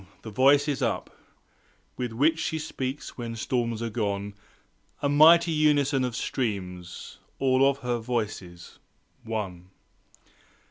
the Voice is up With which she speaks when storms are gone, A mighty unison of streams! Of all her Voices, One!